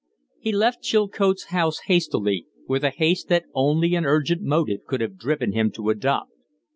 He left Chilcote's house hastily with a haste that only an urgent motive could have driven him to adopt.